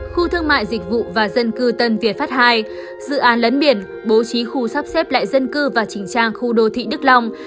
khu thương mại dịch vụ và dân cư tân việt pháp ii dự án lấn biển bố trí khu sắp xếp lại dân cư và trình trang khu đô thị đức long